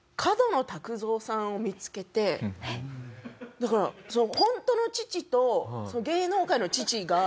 だからホントの父と芸能界の父が会って。